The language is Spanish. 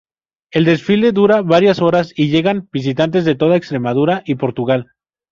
El desfile dura varias horas y llegan visitantes de toda Extremadura y Portugal.